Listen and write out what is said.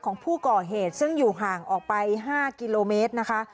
ของผู้ก่อเหตุซึ่งอยู่ห่างออกไป๕กิโลเมตรนะคะ